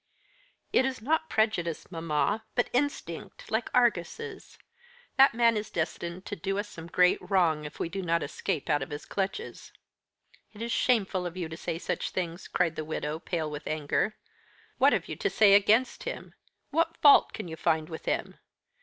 "It is not prejudice, mamma, but instinct, like Argus's. That man is destined to do us some great wrong, if we do not escape out of his clutches." "It is shameful of you to say such things," cried the widow, pale with anger. "What have you to say against him? What fault can you find with him?